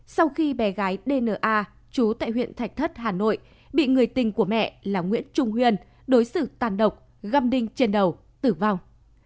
sau khi bé gái dna chú tại huyện thạch thất hà nội bị người tình của mẹ là nguyễn trung huyên đối xử tàn độc găm đinh trên đầu tử vong